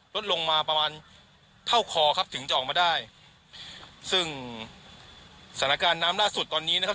ลดลงมาประมาณเท่าคอครับถึงจะออกมาได้ซึ่งสถานการณ์น้ำล่าสุดตอนนี้นะครับ